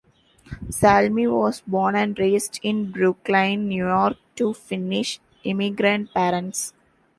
Salmi was born and raised in Brooklyn, New York, to Finnish immigrant parents.